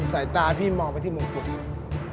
ใส่ตาพี่มองไปที่มุมคุณเนี่ย